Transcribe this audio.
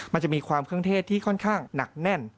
มันจะมีความเครื่องเทศที่ค่อนข้างหนักแน่น